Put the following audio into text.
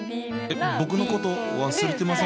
えっ僕のこと忘れてません？